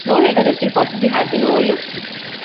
No letter that can possibly have been overlooked?